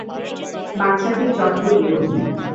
বাচ্চাটির যত্ন নিও।